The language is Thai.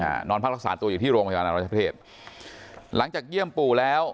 อ่านอนพรรคสารตัวอยู่ที่โรงพยาบาลราชาประเทศหลังจากเยี่ยมปู่แล้ว